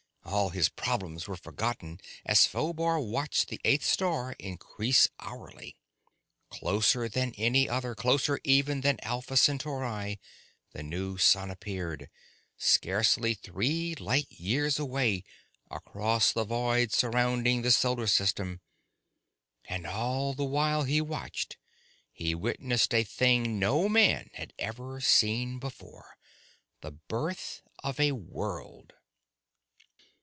All his problems were forgotten as Phobar watched the eighth star increase hourly. Closer than any other, closer even than Alpha Centauri, the new sun appeared, scarcely three light years away across the void surrounding the solar system. And all the while he watched, he witnessed a thing no man had ever before seen the birth of a world!